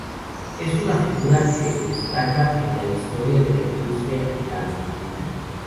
Es una figura que destaca en la historia de la industria en la Argentina.